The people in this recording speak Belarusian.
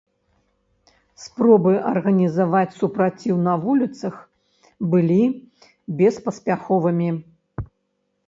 Спробы арганізаваць супраціў на вуліцах былі беспаспяховымі.